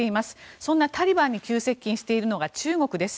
そんなタリバンに急接近しているのが中国です。